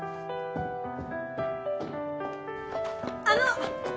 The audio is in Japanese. あの！